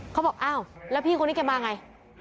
เขาบอกอ้าวแล้วพี่คนนี้แกมาไง